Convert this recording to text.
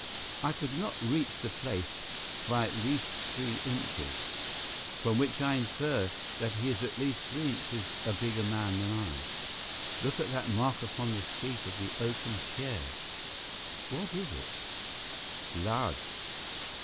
I could not reach the place by at least three inches—from which I infer that he is at least three inches a bigger man than I. Look at that mark upon the seat of the oaken chair! What is it?" "Blood."